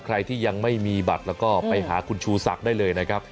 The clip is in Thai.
ใครที่ยังไม่มีบัตรแล้วก็ไปหาคุณชูศักดิ์ได้เลยนะครับ